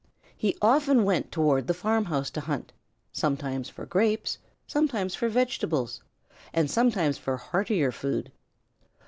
He often went toward the farmhouse to hunt, sometimes for grapes, sometimes for vegetables, and sometimes for heartier food.